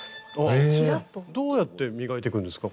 どうやって磨いていくんですかこれは。